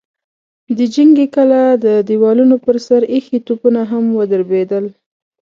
د جنګي کلا د دېوالونو پر سر ايښي توپونه هم ودربېدل.